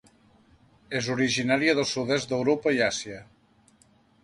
És originària del sud-est d'Europa i Àsia.